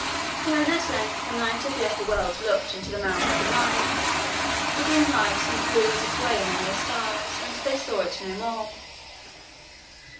When at length the night of the upper world looked in at the mouth of the mine, the green light seemed to lose its way among the stars, and they saw it no more.